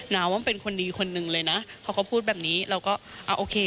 ว่ามันเป็นคนดีคนหนึ่งเลยนะเขาก็พูดแบบนี้เราก็อ่าโอเค